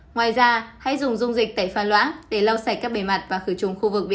ngoài ra hãy dùng dung dịch tẩy pha lõa để lau sạch các bề mặt và khu vực